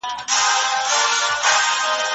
هغه وایي چې ورزش د خوشالۍ سرچینه ده.